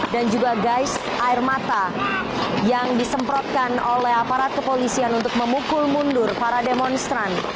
dan juga guys air mata yang disemprotkan oleh aparat kepolisian untuk memukul mundur para demonstran